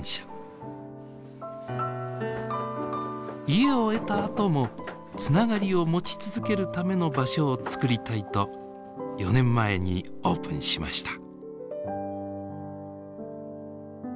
家を得たあともつながりを持ち続けるための場所をつくりたいと４年前にオープンしました。